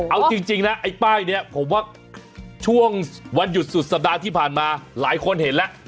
เอาจริงนะไอ้ป้ายนี้ผมว่าช่วงวันหยุดสุดสัปดาห์ที่ผ่านมาหลายคนเห็นแล้ว